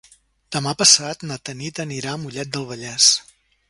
Demà passat na Tanit anirà a Mollet del Vallès.